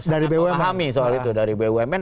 sangat mengahami soal itu dari bumn